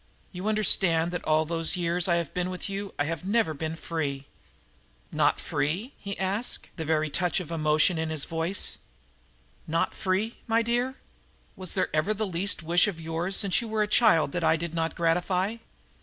You understand that all the years I have been with you I have never been free?" "Not free?" he asked, the first touch of emotion showing in his voice. "Not free, my dear? Was there ever the least wish of yours since you were a child that I did not gratify?